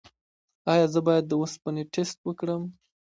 ایا زه باید د اوسپنې ټسټ وکړم؟